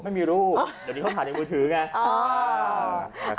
ไม่มีรูปเดี๋ยวนี้เขาถ่ายในมือถือไง